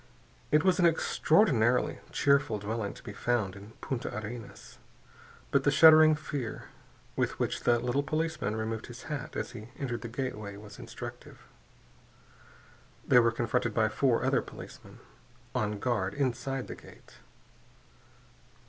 It was an extraordinarily cheerful dwelling to be found in Punta Arenas, but the shuddering fear with which the little policeman removed his hat as he entered the gateway was instructive. They were confronted by four other policemen, on guard inside the gate.